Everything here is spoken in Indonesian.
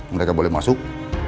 mereka boleh masuk